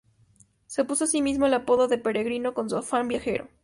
Se puso a sí mismo el apodo del 'Peregrino' por su afán viajero.